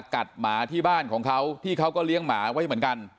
หมาที่บ้านของเขาที่เขาก็เลี้ยงหมาไว้เหมือนกัน